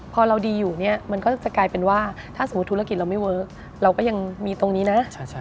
พอเราดีอยู่เนี่ยมันก็จะกลายเป็นว่าถ้าสมมุติธุรกิจเราไม่เวิร์คเราก็ยังมีตรงนี้นะ